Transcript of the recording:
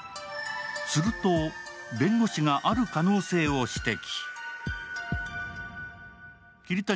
すると、弁護士がある可能性を指摘。